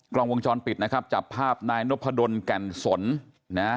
กล้องวงจรปิดนะครับจับภาพนายนพดลแก่นสนนะ